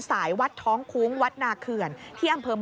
ข้างไม่จอดผมปากหน้าให้จอดรถ